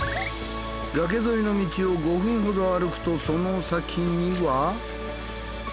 崖沿いの道を５分ほど歩くとその先には。